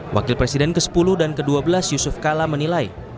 wakil presiden ke sepuluh dan ke dua belas yusuf kala menilai